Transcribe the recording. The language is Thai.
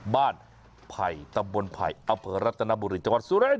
ไผ่ตำบลไผ่อรัตนบุรีจังหวัดสุริน